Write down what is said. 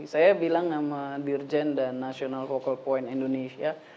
saya bilang sama dirjen dan national cocal point indonesia